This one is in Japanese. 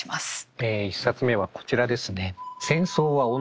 え１冊目はこちらですね。